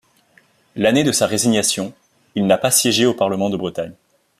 L’année de sa résignation, il n’a pas siégé au parlement de Bretagne.